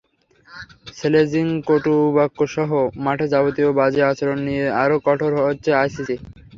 Sledging, কটুবাক্যসহ মাঠে যাবতীয় বাজে আচরণ নিয়ে আরও কঠোর হচ্ছে আইসিসি।